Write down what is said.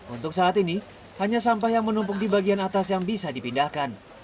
untuk saat ini hanya sampah yang menumpuk di bagian atas yang bisa dipindahkan